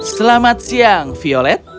selamat siang violet